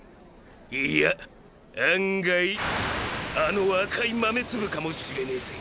いや案外あの赤いマメツブかもしれねぇぜ。